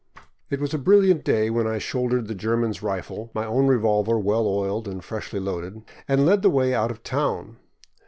It was a brilliant day when I shouldered the German's rifle, my own revolver well oiled and freshly loaded, and led the way out of town.